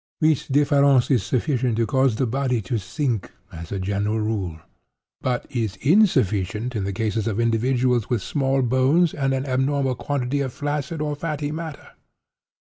This difference is sufficient to cause the body to sink, as a general rule; but is insufficient in the cases of individuals with small bones and an abnormal quantity of flaccid or fatty matter.